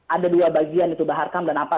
ada dua bagian itu baharkan dan apa